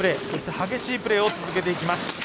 そして、激しいプレーを続けていきます。